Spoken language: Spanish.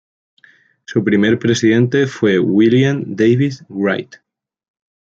Su primer presidente fue William David Wright.